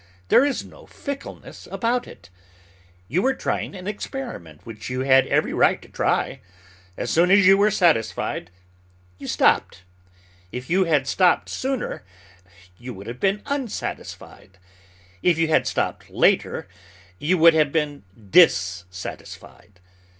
There is no fickleness about it. You were trying an experiment which you had every right to try. As soon as you were satisfied, you stopped. If you had stopped sooner, you would have been unsatisfied. If you had stopped later, you would have been dissatisfied.